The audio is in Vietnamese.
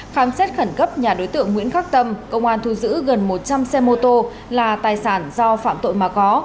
khám xét khẩn cấp nhà đối tượng nguyễn khắc tâm công an thu giữ gần một trăm linh xe mô tô là tài sản do phạm tội mà có